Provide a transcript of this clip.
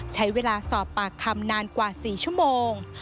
ใช้เวลาสอบปากคำนานกว่า๔ชั่วโมง